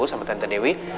sama tentang dewi